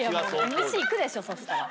ＭＣ行くでしょそしたら。